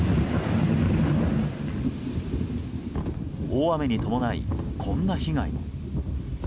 大雨に伴い、こんな被害も。